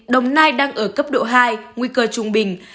đồng nai đang ở cấp độ hai nguy cơ trung bình